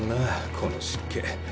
この湿気。